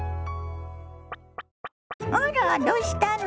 あらどうしたの？